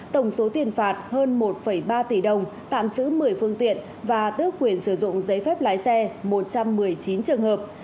tổng số tiền phạt hơn một ba tỷ đồng tạm giữ một mươi phương tiện và tước quyền sử dụng giấy phép lái xe một trăm một mươi chín trường hợp